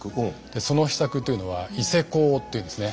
でその秘策というのは「伊勢講」って言うんですね。